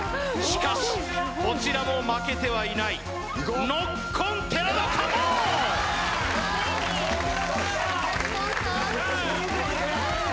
しかしこちらも負けてはいないノッコン寺田カモン！